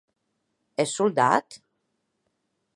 Ès soldat?